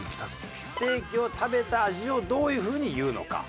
ステーキを食べた味をどういう風に言うのか。